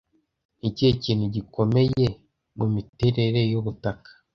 Ni ikihe kintu gikomeye mu miterere y'ubutaka